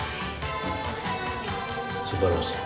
すばらしい！